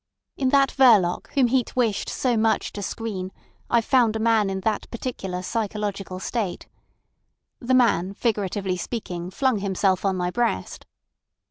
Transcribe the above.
In that Verloc whom Heat wished so much to screen I've found a man in that particular psychological state. The man, figuratively speaking, flung himself on my breast.